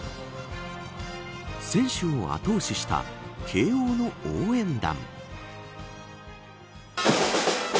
選手を後押しした慶応の応援団。